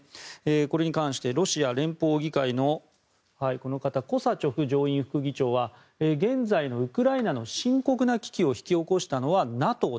これに関してロシア連邦議会のコサチョフ上院副議長は現在のウクライナの深刻な危機を引き起こしたのはＮＡＴＯだ。